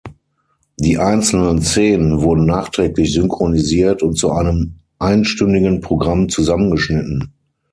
Die einzelnen Szenen wurden nachträglich synchronisiert und zu einem einstündigen Programm zusammengeschnitten.